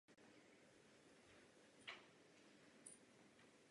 Za studentských let se účastnil ilegálních vlasteneckých aktivit.